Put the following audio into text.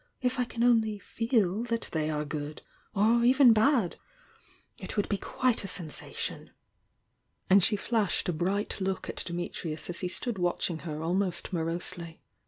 If I can only 'feel' that they are good! — or even bad! — it would be quite a ■ensation!" And she flashed a bright look at Dimi trius as he stood watching her almost morosely.